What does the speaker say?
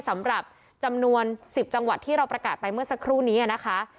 สำหรับจำนวน๑๐จังหวัดที่เราประกาศไปเมื่อสักครู่นี้นะคะ